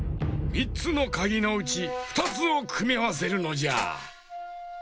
３つのかぎのうち２つをくみあわせるのじゃ。